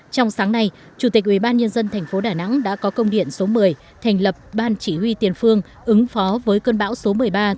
trong sáng nay chủ tịch ubnd tp đà nẵng đã có công điện số một mươi thành lập ban chỉ huy tiền phương ứng phó với cơn bão số một mươi ba tại các địa phương